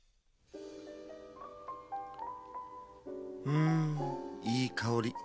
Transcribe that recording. うんいいかおり。